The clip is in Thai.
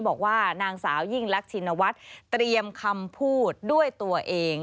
บอกว่านางสาวยิ่งรักชินวัฒน์เตรียมคำพูดด้วยตัวเอง